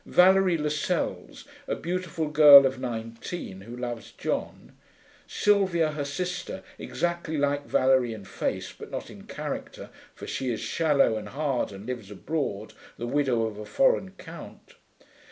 Valerie Lascelles, a beautiful girl of nineteen, who loves John. Sylvia, her sister, exactly like Valerie in face, but not in character, for she is shallow and hard and lives abroad, the widow of a foreign count.